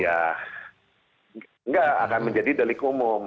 ya nggak akan menjadi delik umum